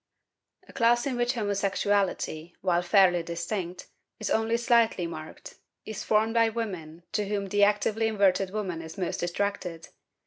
A class in which homosexuality, while fairly distinct, is only slightly marked, is formed by the women to whom the actively inverted woman is most attracted.